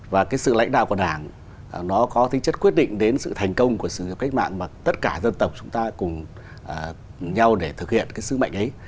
và cái sự lãnh đạo của đảng nó có tính chất quyết định đến sự thành công của sự nghiệp cách mạng mà tất cả dân tộc chúng ta cùng nhau để thực hiện cái sứ mệnh ấy